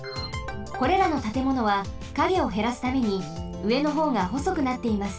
これらのたてものはカゲをへらすためにうえのほうがほそくなっています。